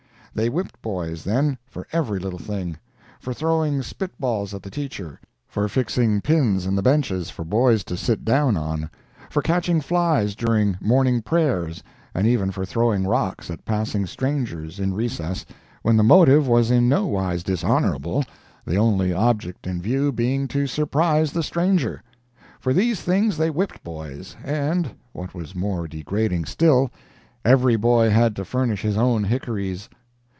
They whipped boys, then, for every little thing; for throwing "spit balls" at the teacher; for fixing pins in the benches for boys to sit down on; for catching flies during morning prayers, and even for throwing rocks at passing strangers, in recess, when the motive was in no wise dishonorable, the only object in view being to surprise the stranger. For these things they whipped boys, and, what was more degrading still, every boy had to furnish his own hickories.